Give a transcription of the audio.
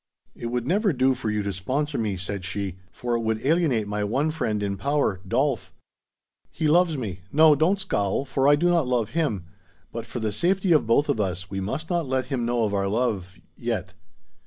"It would never do for you to sponsor me," said she, "for it would alienate my one friend in power, Dolf. He loves me; no, don't scowl, for I do not love him. But, for the safety of both of us, we must not let him know of our love yet."